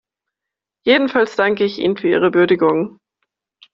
Jedenfalls danke ich Ihnen für Ihre Würdigung.